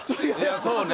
そうね。